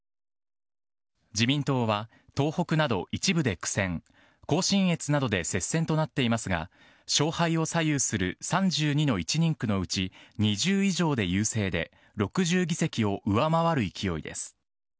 自民党は、東北など一部で苦戦、甲信越などで接戦となっていますが、勝敗を左右する３２の１人区のうち２０以上で優勢で、６０議席を上回る勢いです。